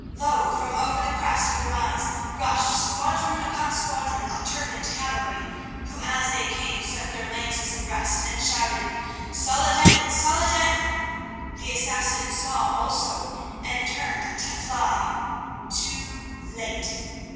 Lo! from over the crest of the rise rushed squadron upon squadron of turbaned cavalry, who, as they came, set their lances in rest, and shouted: "Salah ed din! Salah ed din!" The Assassins saw also, and turned to fly—too late!